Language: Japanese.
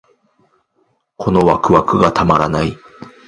このワクワクがたまらない